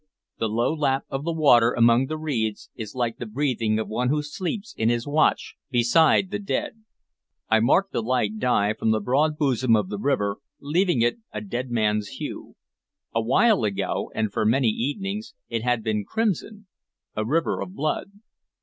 The low lap of the water among the reeds is like the breathing of one who sleeps in his watch beside the dead. I marked the light die from the broad bosom of the river, leaving it a dead man's hue. Awhile ago, and for many evenings, it had been crimson, a river of blood.